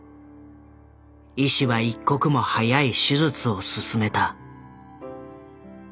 医師は一刻も早い手術を勧めた。